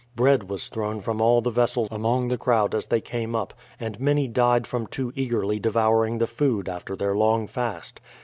Bread was thrown from all the vessels among the crowd as they came up, and many died from too eagerly devouring the food after their long fast.